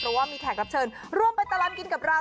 เพราะว่ามีแขกรับเชิญร่วมไปตลอดกินกับเรา